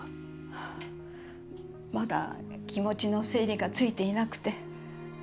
はぁまだ気持ちの整理がついていなくて。